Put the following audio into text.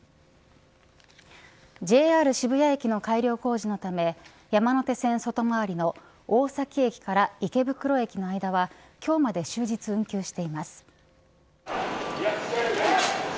ＪＲ渋谷駅の改良工事のため山手線外回りの大崎駅から池袋駅の間は今日まで終日運休しています。